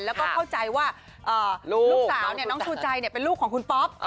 แล้วก็เข้าใจว่าลูกสาวน้องชูใจเป็นลูกของคุณป๊อป